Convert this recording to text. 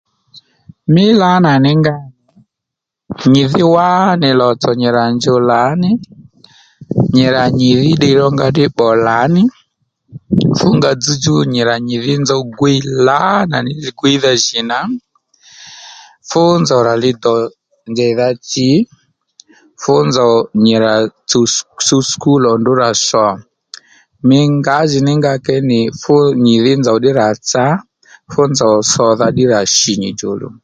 Mí lǎnà ní nga nyì dhí wánì lò tsò nyì rà njuw lǎní nyì rà nyìdhí ddiy rónga ddɨ pbò lǎní fú nga dzzdjú nyì rà nyìdhí nzòw gwiy lǎnà ní li gwíydha jì nà fú nzǒw rà li dò njèydha tsì fú nzòw nyì rà tsuw sùkúl ò ndrǔ rà sò mí ngǎjìní nga kě nì fú nyìdhí nzòw ddí rà tsa fú nzòw sòdha ddí rà shì nyì djòluw